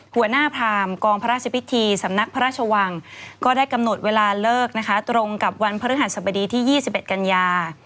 พรามกองพระราชพิธีสำนักพระราชวังก็ได้กำหนดเวลาเลิกนะคะตรงกับวันพฤหัสบดีที่๒๑กันยา